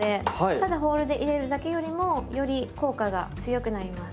ただホールで入れるだけよりもより効果が強くなります。